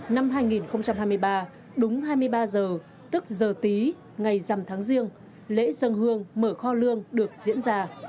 năm hai nghìn hai mươi ba đúng hai mươi ba giờ tức giờ tí ngày dằm tháng riêng lễ dân hương mở kho lương được diễn ra